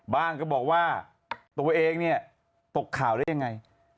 ก็บอกว่าตัวเองเนี่ยตกข่าวได้ยังไง